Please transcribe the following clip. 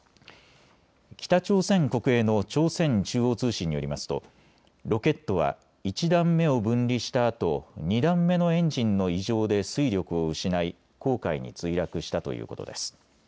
北朝鮮国営の朝鮮中央通信によりますとロケットは１段目を分離したあと２段目のエンジンの異常で推力を失い黄海に墜落したということです。